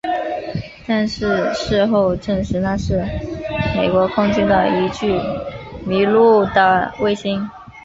但是事后证实那是美国空军的一具迷路的卫星。